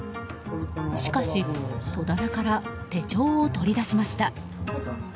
しかし、戸棚から手帳を取り出しました。